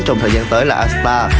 trong thời gian tới là astar